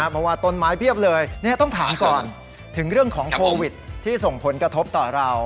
เพราะว่าต้นไม้เพียบเลยต้องถามก่อนถึงเรื่องของโควิดที่ส่งผลกระทบต่อเรา